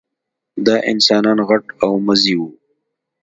دا انسانان غټ او مزي وو.